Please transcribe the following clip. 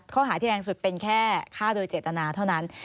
ข้อหาที่แรงสุดเป็นแค่ฆ่าโดยเจตนาเท่านั้น